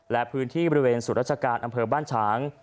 และพื้นที่บริเวณศูนย์รัชการบ้านชาง